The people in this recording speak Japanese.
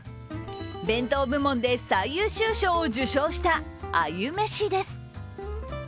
弁当部門で最優秀賞を受賞した鮎めしです。